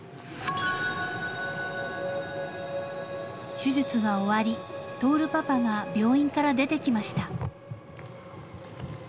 ［手術が終わり亨パパが病院から出てきました］